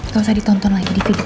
gak usah ditonton lagi di video